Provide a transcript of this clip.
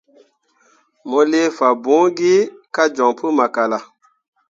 Mo lii fambõore gi kah joɲ pu makala.